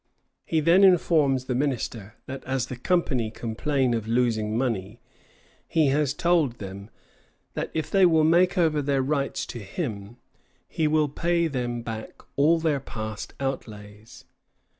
He then informs the minister that as the company complain of losing money, he has told them that if they will make over their rights to him, he will pay them back all their past outlays.